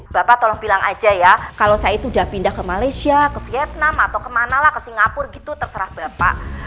bapak tolong bilang aja ya kalau saya itu udah pindah ke malaysia ke vietnam atau kemana lah ke singapura gitu terserah bapak